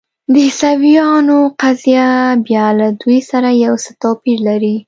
د عیسویانو قضیه بیا له دوی سره یو څه توپیر لري.